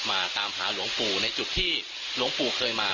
ตามหาหลวงปู่ในจุดที่หลวงปู่เคยมา